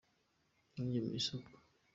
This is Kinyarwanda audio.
ntuge mu isoko.